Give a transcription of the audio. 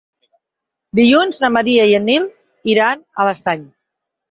Dilluns na Maria i en Nil iran a l'Estany.